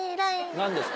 何ですか？